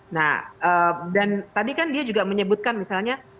nah dan tadi kan dia juga menyebutkan misalnya